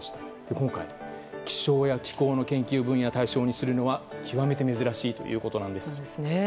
今回、気象や気候の研究分野を対象にするのは極めて珍しいということなんです。